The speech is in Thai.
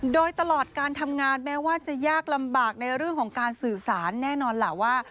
โดยตลอดการทำงานแม้ว่าจะยากลำบากในเรื่องของการสื่อสารแน่นอนล่ะว่า